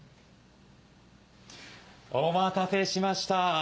お待たせしました。